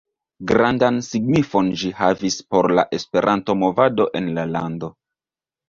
Grandan signifon ĝi havis por la Esperanto-movado en la lando.